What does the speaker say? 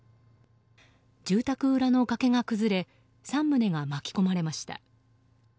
住宅裏の崖が崩れ３棟が巻き込まれました。